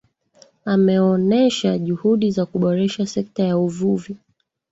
Ameonesha juhudi za kuboresha sekta ya uvuvi